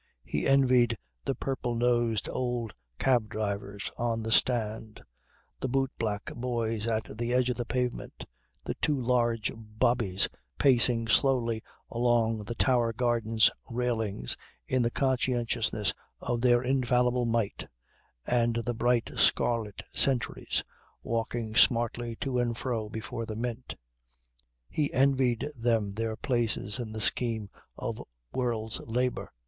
He envied the purple nosed old cab drivers on the stand, the boot black boys at the edge of the pavement, the two large bobbies pacing slowly along the Tower Gardens railings in the consciousness of their infallible might, and the bright scarlet sentries walking smartly to and fro before the Mint. He envied them their places in the scheme of world's labour.